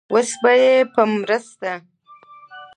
اوس به يې په مرسته